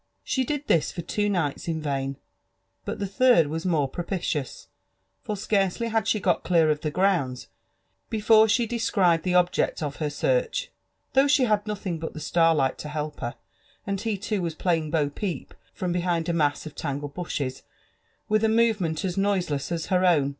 She did this for two nights in vain, but the third was more propitious; for scarcely had she got clear of the grounds, before she descried the object of her search, though she had nothing but the starlight to help her, and ho too was playing bo peep, from behind a mass of tangled bushes, with a movement as noiseless as her own.